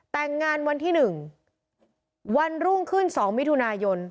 แต่งงานวันที่๑วันรุ่งขึ้น๒มิถุนายน